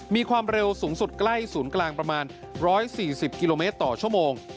มีความเร็วสูงสุดใกล้ศูนย์กลางประมาณ๑๔๐กิโลเมตรต่อชั่วโมง